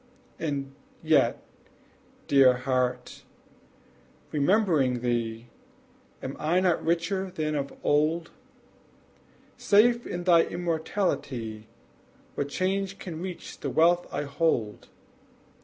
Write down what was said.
And yet, dear heart' remembering thee, Am I not richer than of old? Safe in thy immortality, What change can reach the wealth I hold?